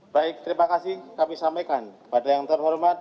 baik terima kasih kami sampaikan pada yang terhormat